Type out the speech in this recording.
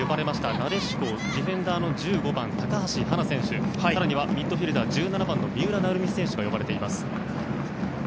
なでしこ、ディフェンダー１５番の高橋はな選手更にはミッドフィールダー１７番の三浦成美選手が呼ばれています。